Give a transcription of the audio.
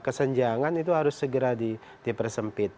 kesenjangan itu harus segera dipersempit